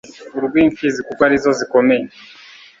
urw'imfizi kuko arizo zikomeye